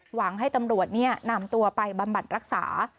หวังให้ตำรวจเนี่ยนำตัวไปบัมบัติรักษา